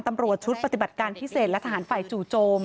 ตำรวจชุดปฏิบัติการพิเศษและทหารฝ่ายจู่โจม